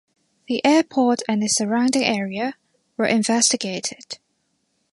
The airport and its surrounding area were investigated.